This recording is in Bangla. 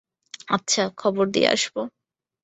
আচ্ছা, খবর দিয়ে আসব।